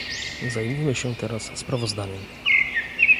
Zajmijmy się teraz sprawozdaniem